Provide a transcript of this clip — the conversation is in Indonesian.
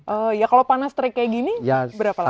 oh ya kalau panas terik kayak gini berapa lama